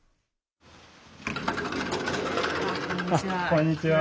こんにちは。